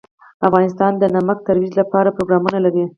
افغانستان د نمک د ترویج لپاره پروګرامونه لري.